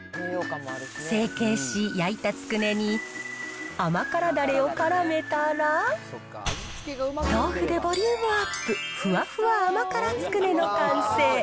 成形し、焼いたつくねに、甘辛だれをからめたら、豆腐でボリュームアップ、ふわふわ甘辛つくねの完成。